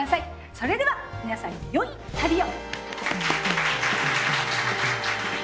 それでは皆さんよい旅を。